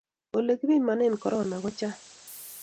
ole kipimane corona ko chang